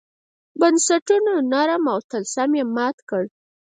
بنسټونو نورم او طلسم یې مات کړ.